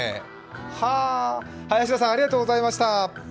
はあ、林田さんありがとうございました。